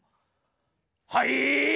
はい？